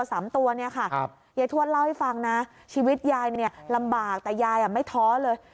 ยายทวนเล่าให้ฟังนะชีวิตยายลำบากแต่ยายไม่ท้อเลย